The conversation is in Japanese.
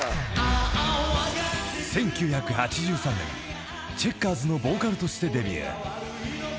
［１９８３年チェッカーズのボーカルとしてデビュー］